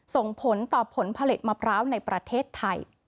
ส่งผลต่อผลผลิตมะพร้าวในประเทศไทย